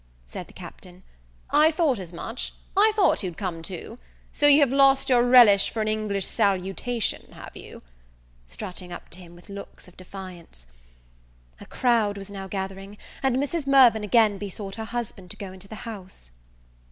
said the Captain," I thought as much; I thought you'd come to; so you have lost your relish for an English salutation, have you?" strutting up to him with looks of defiance. A crowd was now gathering, and Mrs. Mirvan again besought her husband to go into the house.